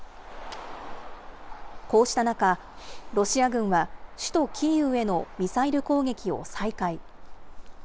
こうした中、ロシア軍は、首都キーウへのミサイル攻撃を再開。